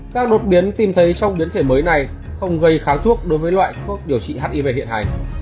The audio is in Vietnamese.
các đột biến tìm thấy trong biến thể mới này không gây kháng thuốc đối với loại thuốc điều trị hiv hiện nay